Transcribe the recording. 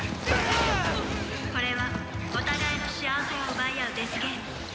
「これはお互いの幸せを奪い合うデスゲーム」